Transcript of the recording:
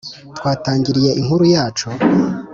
twitangirire inkuru yacu